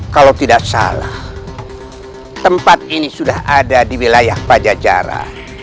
kalau tidak salah itu ber corinthians di wilayah pajajara